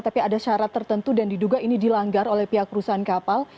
tapi ada syarat tertentu dan diduga ini dilanggar oleh pihak perusahaan kapal